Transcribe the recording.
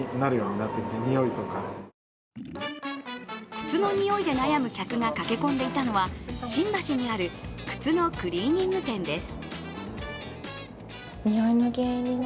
靴のにおいで悩む客が駆け込んでいたのが新橋にある靴のクリーニング店です。